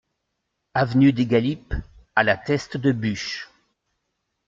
Avenue des Galipes à La Teste-de-Buch